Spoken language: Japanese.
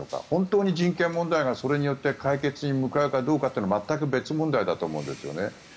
本当に人権問題がそれによって解決に向かうかどうかというのは全く別問題だと思うんですよね。